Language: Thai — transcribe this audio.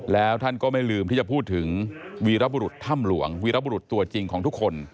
แล้วท่านก็ไม่ลืมที่จะพูดถึงวีรบุรุษถ้ำหลวงวีรบุรุษตัวจริงของทุกคน